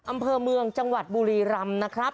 อำเภอเมืองจังหวัดบุรีรำนะครับ